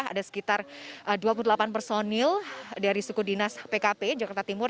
ada sekitar dua puluh delapan personil dari suku dinas pkp jakarta timur